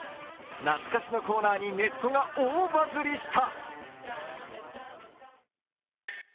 懐かしのコーナーにネットが大バズりした。